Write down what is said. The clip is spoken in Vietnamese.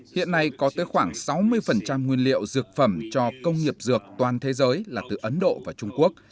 hiện nay có tới khoảng sáu mươi nguyên liệu dược phẩm cho công nghiệp dược toàn thế giới là từ ấn độ và trung quốc